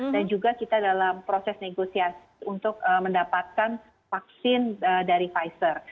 dan juga kita dalam proses negosiasi untuk mendapatkan vaksin dari pfizer